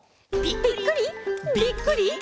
「ぴっくり！